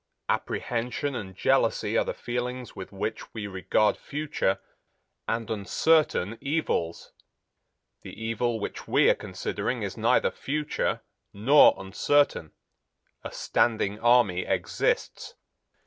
Apprehension and jealousy are the feelings with which we regard future and uncertain evils. The evil which we are considering is neither future nor uncertain. A standing army exists.